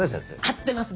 合ってます！